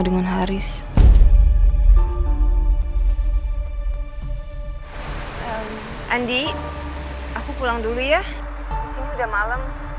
disini udah malem